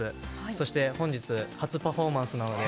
そして、本日初パフォーマンスなので